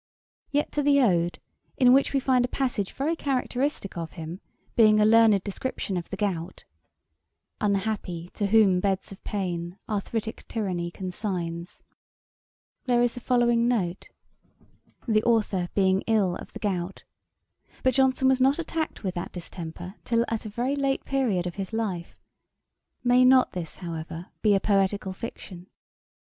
Yet to the Ode, in which we find a passage very characteristick of him, being a learned description of the gout, 'Unhappy, whom to beds of pain Arthritick tyranny consigns;' there is the following note: 'The authour being ill of the gout:' but Johnson was not attacked with that distemper till at a very late period of his life. May not this, however, be a poetical fiction?